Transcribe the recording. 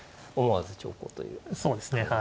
思わず長考ということですね。